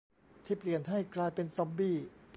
ที่เปลี่ยนให้กลายเป็นซอมบี้